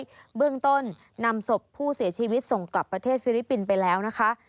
เบื้องต้นนำศพผู้เสียชีวิตส่งกลับประเทศฟิลิปปินส์ไปแล้วนะคะ